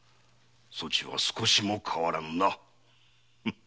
そちは少しも変わらぬな。